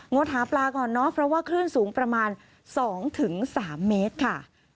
งดหาปลาก่อนเนอะเพราะว่าคลื่นสูงประมาณสองถึงสามเมตรค่ะ